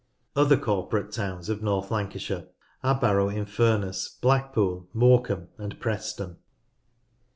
Other corporate towns of North Lancashire are Barrow in Furness, Blackpool, Morecambe, and Preston.